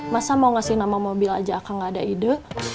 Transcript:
masa mau ngasih nama mobil aja akan gak ada ide